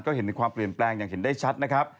ก็เห็นในความเปลี่ยนแปลงอย่างเห็นได้ชัดนะครับ